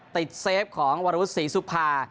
ติดเซฟของวรรวุษฎีสุภา